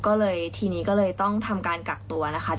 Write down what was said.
ก็เลยทีนี้ก็เลยต้องทำการกักตัวนะคะ